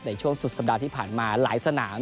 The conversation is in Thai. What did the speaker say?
ในช่วงสุดสัปดาห์ที่ผ่านมาหลายสนาม